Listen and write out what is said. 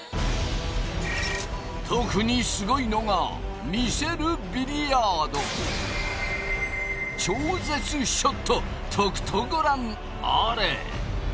特にすごいのが魅せるビリヤード超絶ショットとくとご覧あれ！